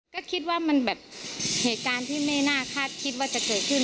ก็คิดว่ามันแบบเหตุการณ์ที่ไม่น่าคาดคิดว่าจะเกิดขึ้น